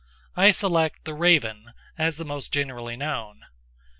I select "The Raven," as the most generally known.